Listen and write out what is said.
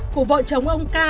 của vợ chồng ông ca